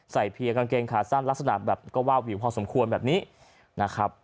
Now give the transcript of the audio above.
เพียกางเกงขาสั้นลักษณะแบบก็วาบวิวพอสมควรแบบนี้นะครับ